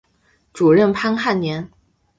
主任潘汉年。